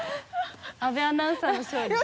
阿部アナウンサーの勝利です。